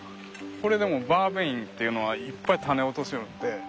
これでもバーベインというのはいっぱい種落としよって。